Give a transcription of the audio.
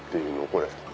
これ。